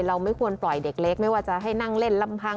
เราไม่ควรปล่อยเด็กเล็กไม่ว่าจะให้นั่งเล่นลำพัง